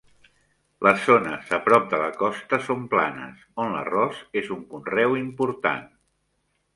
Les zones a prop de la costa són planes, on l'arròs és un conreu important.